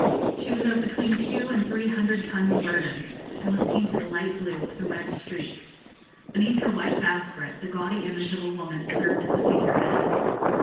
She was of between two and three hundred tons burden, and was painted a light blue, with a red streak. Beneath her white bowsprit the gaudy image of a woman served as a figure head.